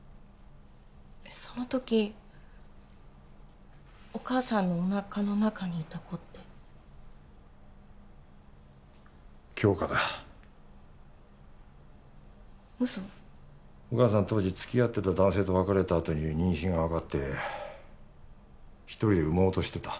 そのときお母さんのおなかの中にいた子って杏花だ嘘お母さん当時付き合ってた男性と別れたあとに妊娠が分かって一人で産もうとしてた